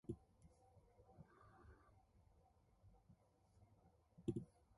The group paddled the River Inn.